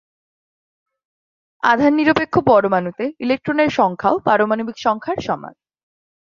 আধান নিরপেক্ষ পরমাণুতে ইলেকট্রন-এর সংখ্যাও পারমাণবিক সংখ্যার সমান।